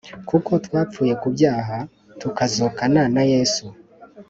kuko twapfuye ku byaha tukazukana na Yesu